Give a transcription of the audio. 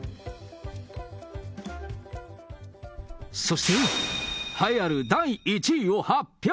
そして、栄えある第１位を発表。